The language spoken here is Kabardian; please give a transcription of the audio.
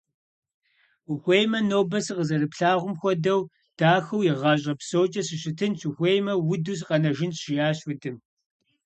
Ухуеймэ, нобэ сыкъызэрыплъэгъуам хуэдэу дахэу игъащӀэ псокӀэ сыщытынщ, ухуеймэ, уду сыкъэнэжынщ, - жиӏащ Удым.